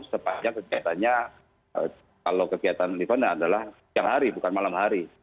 sepanjang kegiatannya kalau kegiatan event adalah siang hari bukan malam hari